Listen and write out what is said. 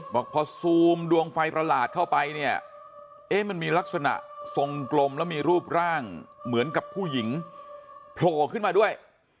บอกพอซูมดวงไฟประหลาดเข้าไปเนี่ยเอ๊ะมันมีลักษณะทรงกลมแล้วมีรูปร่างเหมือนกับผู้หญิงโผล่ขึ้นมาด้วย